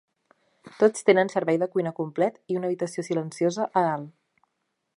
Tots tenen servei de cuina complet i una "habitació silenciosa" a dalt.